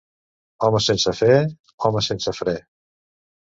Home sense fe, home sense fre.